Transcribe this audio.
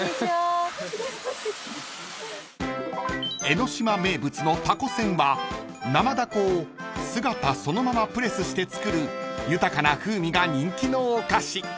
［江の島名物のたこせんは生ダコを姿そのままプレスして作る豊かな風味が人気のお菓子］